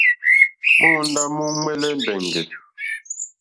Móǒndá múúŋwɛ̀lɛ̀ mbɛ̀ŋgɛ̀.